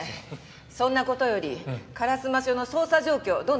そんな事より烏丸署の捜査状況どうなってるの？